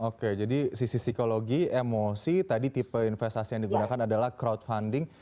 oke jadi sisi psikologi emosi tadi tipe investasi yang digunakan adalah crowdfunding